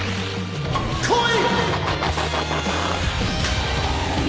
来い！